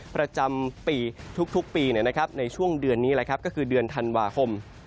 ประจำปีทุกปีในช่วงเดือนนี้ก็คือเดือนธันวาคม